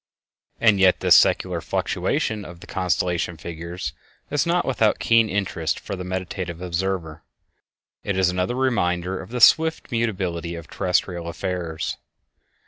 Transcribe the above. And yet this secular fluctuation of the constellation figures is not without keen interest for the meditative observer. It is another reminder of the swift mutability of terrestial affairs.